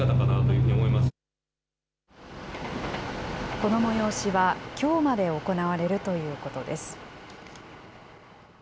この催しは、きょうまで行われるということです。